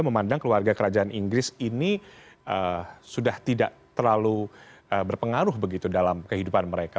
memandang keluarga kerajaan inggris ini sudah tidak terlalu berpengaruh begitu dalam kehidupan mereka